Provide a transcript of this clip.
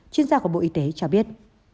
chuyên gia của bộ y tế cho biết